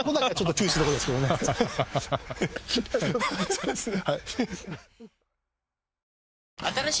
そうですね。